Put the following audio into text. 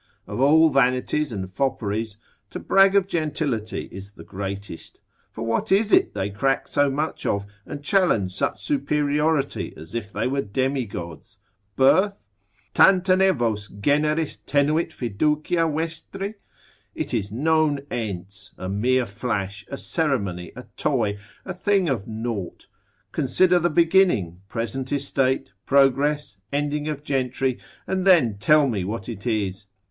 Of all vanities and fopperies, to brag of gentility is the greatest; for what is it they crack so much of, and challenge such superiority, as if they were demigods? Birth? Tantane vos generis tenuit fiducia vestri? It is non ens, a mere flash, a ceremony, a toy, a thing of nought. Consider the beginning, present estate, progress, ending of gentry, and then tell me what it is.